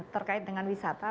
terkait dengan wisata